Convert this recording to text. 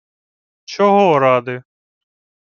— Чого ради?